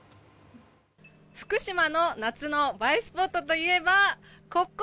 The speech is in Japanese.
福島の夏の映えスポットといえばここ！